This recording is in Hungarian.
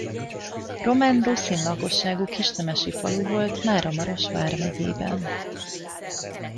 Román–ruszin lakosságú kisnemesi falu volt Máramaros vármegyében.